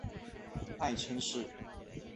爱称是。